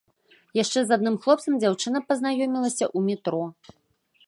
Яшчэ з адным хлопцам дзяўчына пазнаёмілася ў метро.